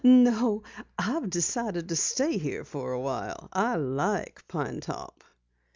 "No, I've decided to stay here for awhile. I like Pine Top."